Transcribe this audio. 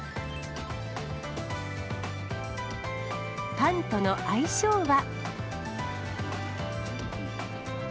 パンとの相性は。